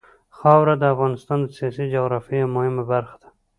خاوره د افغانستان د سیاسي جغرافیه یوه مهمه برخه ده.